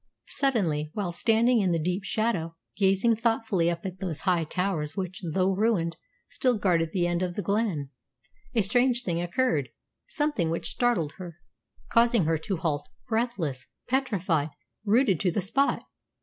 Suddenly, while standing in the deep shadow, gazing thoughtfully up at those high towers which, though ruined, still guarded the end of the glen, a strange thing occurred something which startled her, causing her to halt breathless, petrified, rooted to the spot.